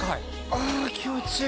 あぁ気持ちいい。